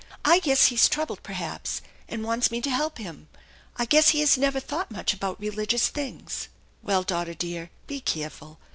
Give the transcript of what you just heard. " I guess he is troubled, perhaps, and wants me to help him. I guess he has never thought much about religious things." " Well, daughter dear, be careful.